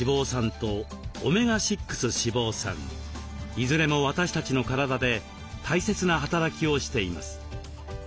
いずれも私たちの体で大切な働きをしています。